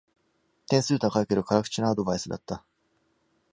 点数高いけど辛口なアドバイスだった